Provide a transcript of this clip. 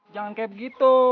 jangan kayak begitu